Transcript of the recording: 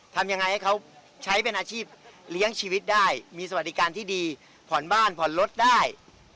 ทำยังไงให้เขาใช้เป็นอาชีพเลี้ยงชีวิตได้มีสวัสดิการที่ดีผ่อนบ้านผ่อนรถได้